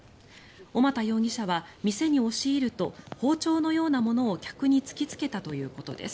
小俣容疑者は店に押し入ると包丁のようなものを客に突きつけたということです。